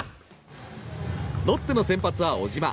ロッテの先発は小島。